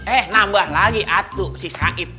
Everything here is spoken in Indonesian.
eh nambah lagi atu si sakit